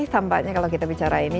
tampaknya kalau kita bicara ini